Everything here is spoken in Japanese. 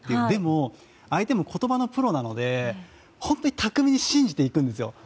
でも、相手も言葉のプロなので本当に巧みに信じていくんですよ。